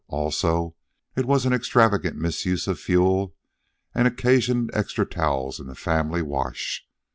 Also, it was an extravagant misuse of fuel, and occasioned extra towels in the family wash.